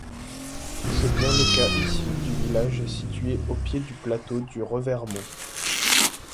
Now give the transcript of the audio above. C'est bien le cas ici du village situé au pied du plateau du Revermont.